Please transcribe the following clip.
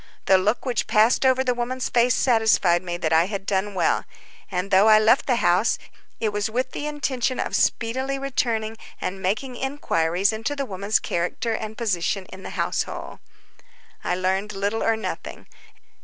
The look which passed over the woman's face satisfied me that I had done well; and, though I left the house, it was with the intention of speedily returning and making inquiries into the woman's character and position in the household. I learned little or nothing.